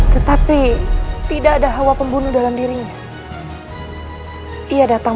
tetapi tidak ada hawa pembunuh dalam dirinya